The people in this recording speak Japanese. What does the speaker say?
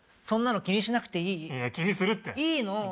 そんなの気にしなくていい気にするっていいの！